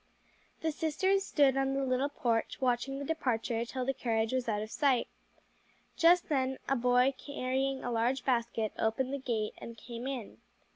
The sisters stood on the little porch watching the departure till the carriage was out of sight. Just then a boy carrying a large basket opened the gate and came in.